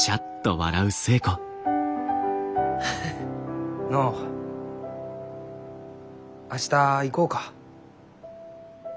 フフ。のう明日行こうか。